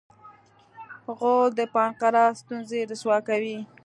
غول د پانقراس ستونزې رسوا کوي.